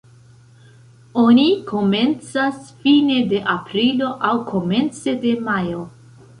Oni komencas fine de aprilo aŭ komence de majo.